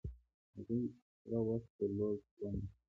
هغوی پوره وس درلود، خو و نه کړ.